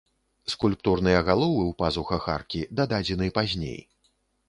Скульптурныя галовы ў пазухах аркі дададзены пазней.